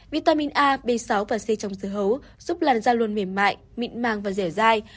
vitamin a b sáu và c trong dưa hấu giúp làn da luôn mềm mại mịn màng và rẻ dai